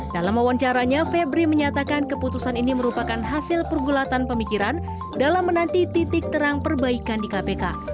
dalam wawancaranya febri menyatakan keputusan ini merupakan hasil pergulatan pemikiran dalam menanti titik terang perbaikan di kpk